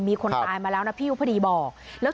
มีคนตายมาแล้วนะพี่อุภดีบอก